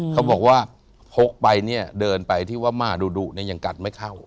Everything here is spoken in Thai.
เขาบอกว่าพกไปเนี่ยเดินไปที่ว่าม่าดุดุเนี่ยยังกัดไม่เข้า